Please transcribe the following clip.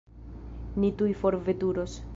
Ni tuj forveturos.